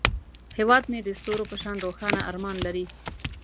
هیواد مې د ستورو په شان روښانه ارمان لري